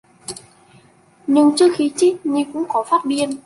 Những trước khi chết Nhi cũng có phát điên